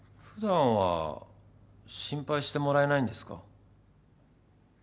普段は心配してもらえないんですか？